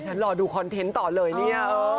ฉันหล่อดูโคลนเทนต์ต่อเลยเห็นไหม